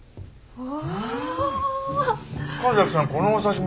うわ！